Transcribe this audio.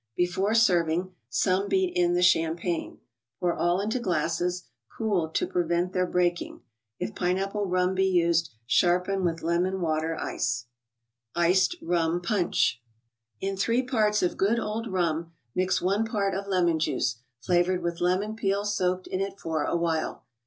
Before serving, some beat in the champagne. Pour all into glasses, cooled to prevent their breaking. If pipe apple rum be used, sharpen with lemon water ice. 72 THE BOOK OF ICES. giceu isuw ^uncij. In ' hree parts of ?00d ~' old rum, mix one part of lemon juice, flavored with lemon peel soaked in it for awhile.